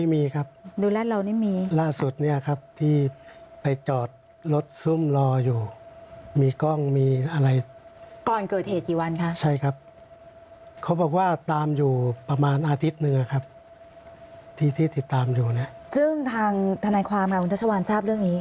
ไม่มีครับไม่มีครับ